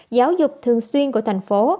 giáo dục thường xuyên của thành phố